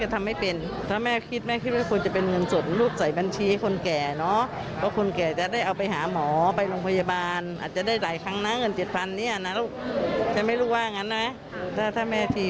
ถ้าแม่ชีแบบนี้ถ้าเป็นเงินแบบนี้